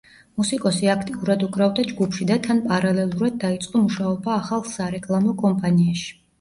მუსიკოსი აქტიურად უკრავდა ჯგუფში და თან პარალელურად დაიწყო მუშაობა ახალ სარეკლამო კომპანიაში.